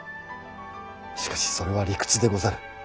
しかしそれは理屈でござる。